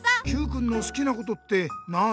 Ｑくんのすきなことって何？